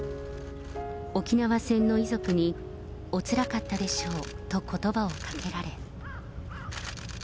沖縄戦の遺族におつらかったでしょうとことばをかけられ。